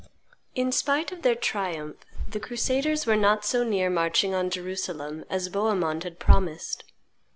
In spite of their triumph the crusaders were not so near marching on Jerusalem as Bohemond had promised.